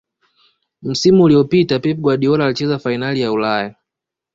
msimu uliopita pep guardiola alicheza fainali ya Ulaya